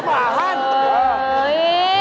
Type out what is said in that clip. คุย